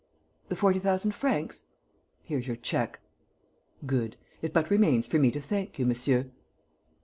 "The forty thousand francs?" "Here's your cheque." "Good. It but remains for me to thank you, monsieur."